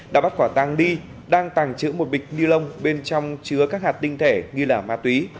đã bắt quả tàng ly đang tàng trữ một bịch ni lông bên trong chứa các hạt tinh thể nghi là ma túy